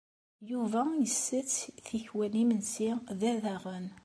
Yuba isett tikkwal imensi da daɣen.